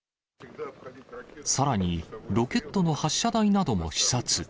さらに、ロケットの発射台なども視察。